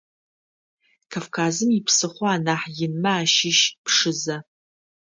Кавказым ипсыхъо анахь инмэ ащыщ Пшызэ.